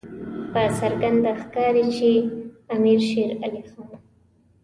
په څرګنده ښکاري چې امیر شېر علي خان.